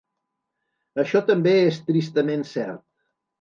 Això també és tristament cert.